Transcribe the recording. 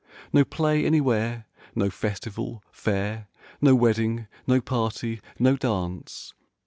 No play anywhere; no festival; fair; No wedding; no party; no dance.